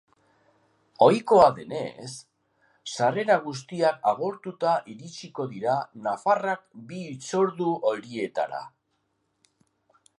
Ohikoa denez, sarrera guztiak agortuta iritsiko dira nafarrak bi hitzordu horietara.